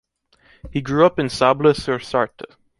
He grew-up in Sablé-sur-Sarthe.